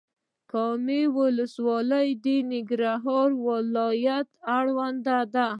کامې ولسوالۍ د ننګرهار ولايت اړوند ده.